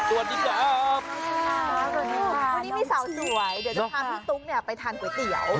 สวัสดีครับวันนี้มีสาวสวยเดี๋ยวจะพาพี่ตุ๊กเนี่ยไปทานก๋วยเตี๋ยว